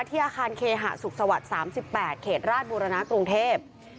ที่อาคารเคหะสุขสวรรค์สามสิบแปดเขตราชบูรณากรุงเทพฯ